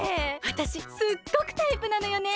わたしすっごくタイプなのよね。